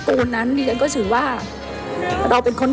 สูงจางอยากตัวโตสูง